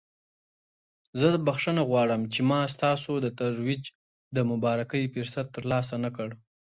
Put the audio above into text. زه بخښنه غواړم چې ما ستاسو د ترویج د مبارکۍ فرصت ترلاسه نکړ.